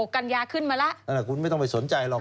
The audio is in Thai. ๑๖กันยาขึ้นมาแล้วนะครับนั่นแหละคุณไม่ต้องไปสนใจหรอก